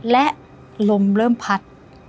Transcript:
และลมเริ่มพัด